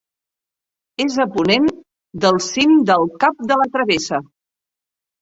És a ponent del cim del Cap de la Travessa.